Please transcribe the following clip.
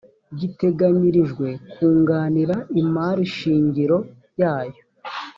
giteganyirijwe kunganira imari shingiro yayo